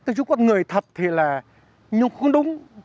nói chung con người thật thì là nhưng không đúng